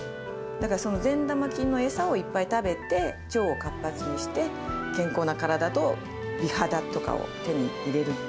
だから、その善玉菌の餌をいっぱい食べて、腸を活発にして、健康な体と美肌とかを手に入れる。